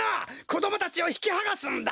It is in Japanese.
こどもたちをひきはがすんだ！